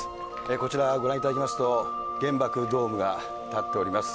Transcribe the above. こちら、ご覧いただきますと、原爆ドームが建っております。